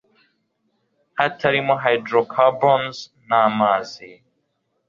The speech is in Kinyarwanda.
hatarimo hydrocarbons n amazi